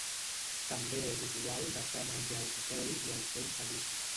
També és usual deixar menjar als reis i al seu seguici.